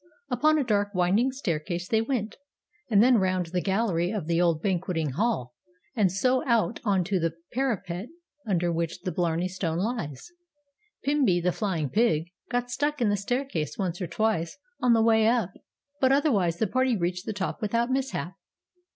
Up a dark winding staircase they went, and then round the gallery of the old banqueting hall, and so out on to the parapet under which the Blarney Stone lies. Pimby, the Flying Pig, got stuck in the staircase once or twice on the way up, but otherwise the party reached the top without mishap.